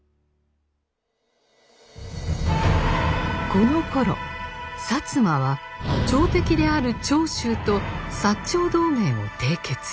このころ摩は朝敵である長州と長同盟を締結。